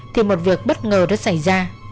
thì một việc bất ngờ đã xảy ra